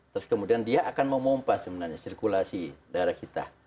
terus kemudian dia akan memompas sebenarnya sirkulasi darah kita